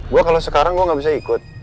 gue kalau sekarang gue gak bisa ikut